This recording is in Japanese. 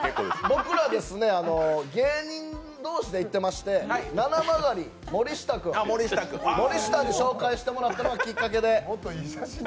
僕ら芸人同士で行ってまして、ななまがりの森下君に紹介してもらったのがきっかけで。